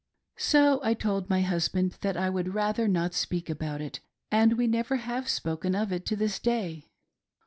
So I told my husband that I would rather not speak about it, and we never have spoken of it to this day.